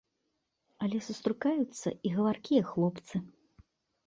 Але сустракаюцца і гаваркія хлопцы.